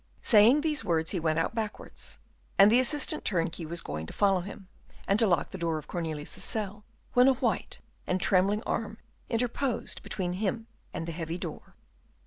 Saying these words he went out backwards, and the assistant turnkey was going to follow him, and to lock the door of Cornelius's cell, when a white and trembling arm interposed between him and the heavy door.